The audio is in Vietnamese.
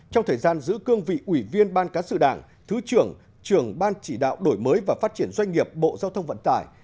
trong thời gian giữ cương vị ủy viên ban cán sự đảng thứ trưởng trưởng ban chỉ đạo đổi mới và phát triển doanh nghiệp bộ giao thông vận tải